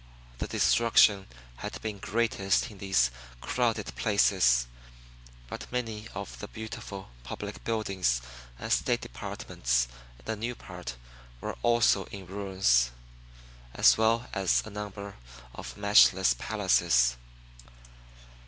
The destruction had been greatest in these crowded places, but many of the beautiful public buildings and state departments in the new part were also in ruins, as well as a number of matchless palaces.